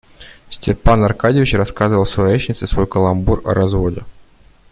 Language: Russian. Степан Аркадьич рассказывал свояченице свой каламбур о разводе.